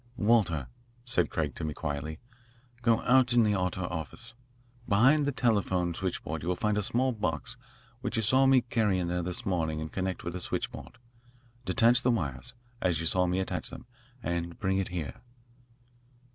"Walter," said Craig to me quietly, "go out in the outer office. Behind the telephone switchboard you will find a small box which you saw me carry in there this morning and connect with the switchboard. Detach the wires, as you saw me attach them, and bring it here."